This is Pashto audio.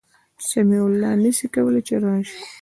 سمیع الله نسي کولای چي راسي